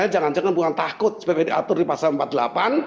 yang takut seperti yang diatur di pasal empat puluh delapan